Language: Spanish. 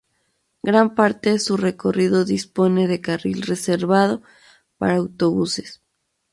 Gran parte de su recorrido dispone de carril reservado para autobuses.